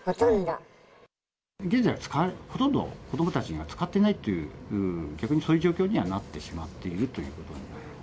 現在は、ほとんど子どもたちが使ってないっていう、逆にそういう状況にはなってしまっているということになります。